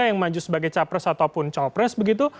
yang maju sebagai capres ataupun copres begitu